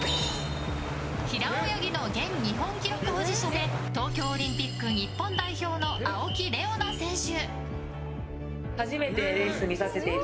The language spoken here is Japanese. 平泳ぎの現日本記録保持者で東京オリンピック日本代表の青木玲緒樹選手。